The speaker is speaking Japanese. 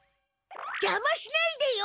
じゃましないでよ！